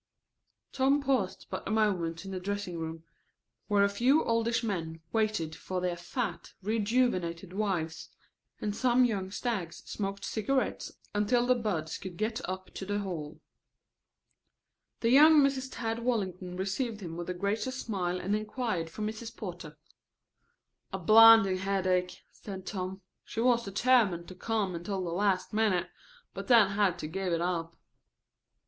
Tom paused but a moment in the dressing room, where a few oldish men waited for their fat, rejuvenated wives, and some young stags smoked cigarettes until the buds could get up to the hall. The young Mrs. Tad Wallington received him with a gracious smile and inquired for Mrs. Porter. "A blinding headache," said Tom. "She was determined to come until the last minute, but then had to give it up."